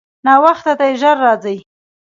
ناوخته دی، ژر راځئ.